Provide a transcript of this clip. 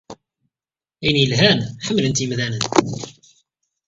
Ayen yelhan, ḥemmlen-t yemdanen.